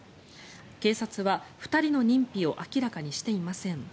警察は２人の認否を明らかにしていません。